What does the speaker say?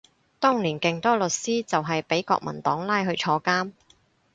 當年勁多律師就係畀國民黨拉去坐監